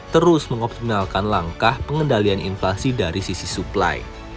terus mengoptimalkan langkah pengendalian inflasi dari sisi supply